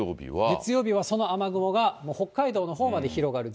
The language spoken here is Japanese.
月曜日はその雨雲が、北海道のほうまで広がる。